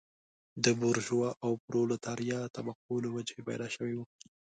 د بورژوا او پرولتاریا طبقو له وجهې پیدا شوی و.